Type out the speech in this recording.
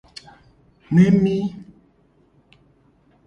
Nemi.